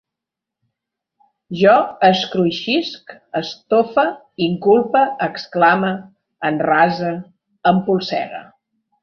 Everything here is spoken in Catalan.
Jo escruixisc, estofe, inculpe, exclame, enrase, empolsegue